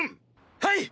はい！